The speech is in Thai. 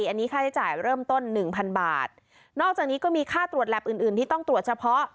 อันนี้ค่าใช้จ่ายเริ่มต้นหนึ่งพันบาทนอกจากนี้ก็มีค่าตรวจแล็บอื่นอื่นที่ต้องตรวจเฉพาะ